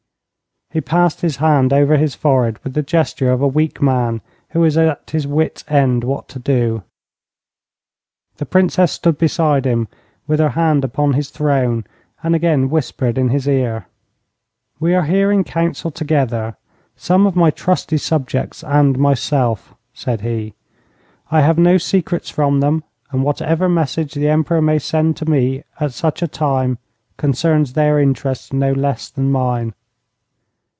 He passed his hand over his forehead with the gesture of a weak man who is at his wits' end what to do. The Princess stood beside him with her hand upon his throne, and again whispered in his ear. 'We are here in council together, some of my trusty subjects and myself,' said he. 'I have no secrets from them, and whatever message the Emperor may send to me at such a time concerns their interests no less than mine.'